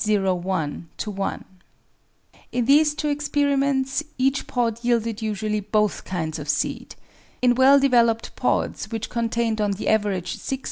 ] 322 APPENDIX In these two experiments each pod yielded usually both kinds of seeds. In well developed pods which contained on the average six